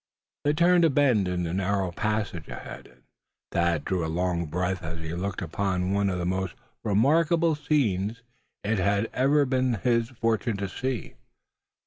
They turned a bend in the narrow passage ahead, and Thad drew a long breath as he looked upon one of the most remarkable scenes it had ever been his fortune to see.